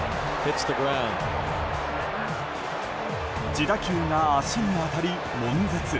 自打球が足に当たり悶絶。